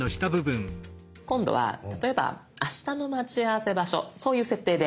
今度は例えばあしたの待ち合わせ場所そういう設定で。